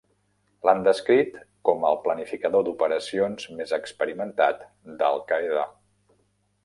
L'han descrit com el planificador d'operacions més experimentat d'Al-Qaeda.